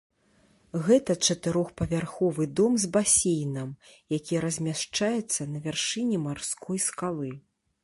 Гэта чатырохпавярховы дом з басейнам, які размяшчаецца на вяршыні марской скалы.